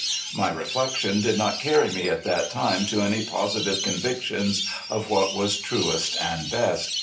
My reflection did not carry me at that time to any positive convictions of what was truest and best.